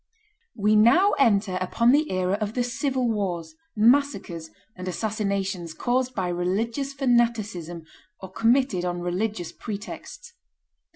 We now enter upon the era of the civil wars, massacres, and assassinations caused by religious fanaticism or committed on religious pretexts.